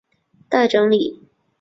待整理